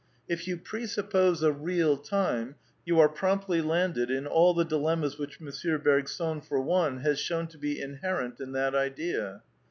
If you presuppose a " real " time, you are promptly landed in all the dilemmas which M. Bergson, for one, has shown to be inherent in that idea.